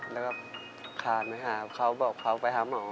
แล้วก็ขาดไปหาเขาบอกเขาไปหาหมอ